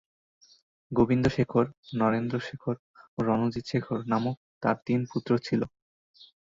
গোবিন্দ শেখর, নরেন্দ্র শেখর ও রণজিৎ শেখর নামক তার তিন পুত্র ছিল।